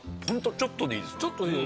ちょっとでいいねっ。